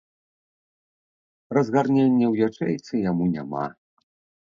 Разгарнення ў ячэйцы яму няма.